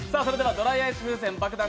ドライアイス風船爆弾